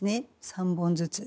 ３本ずつ。